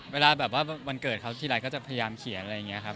เวลาวันเกิดเขาทีไรก็จะพยายามเขียนอะไรงี้ครับ